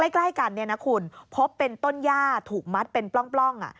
ใกล้กันเนี่ยนะคุณพบเป็นต้นย่าถูกมัดเป็นปล้อง